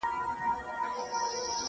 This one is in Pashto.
کله لس کله مو سل په یوه آن مري٫